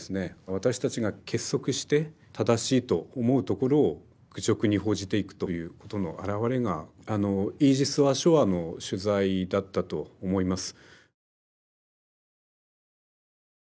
私たちが結束して正しいと思うところを愚直に報じていくということのあらわれがイージス・アショアの取材だったと思います。